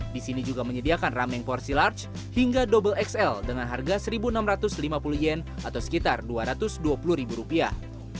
di sini juga menyediakan rameng porsi large hingga double xl dengan harga satu enam ratus lima puluh yen atau sekitar dua ratus dua puluh ribu rupiah